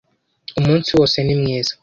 Umunsi wose ni mwiza.